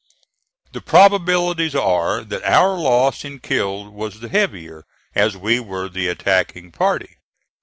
The probabilities are that our loss in killed was the heavier, as we were the attacking party.